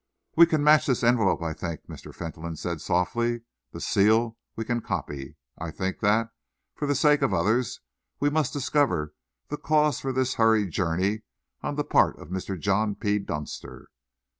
"We can match this envelope, I think," Mr. Fentolin said softly. "The seal we can copy. I think that, for the sake of others, we must discover the cause for this hurried journey on the part of Mr. John P. Dunster."